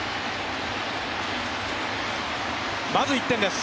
まず１点です。